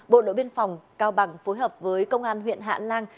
bộ đội biên phòng cao bằng phối hợp với công an huyện hạn lang